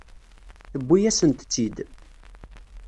Tewwi-yasent-tt-id.